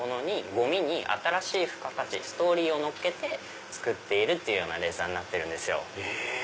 ゴミに新しい付加価値ストーリーをのっけて作っているっていうようなレザーになってるんですよ。